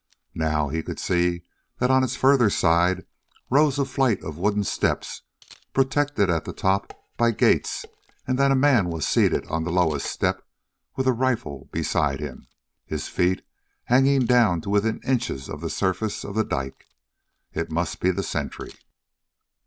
Now he could see that on its further side rose a flight of wooden steps, protected at the top by gates and that a man was seated on the lowest step, with a rifle beside him, his feet hanging down to within a few inches of the surface of the dike. It must be the sentry.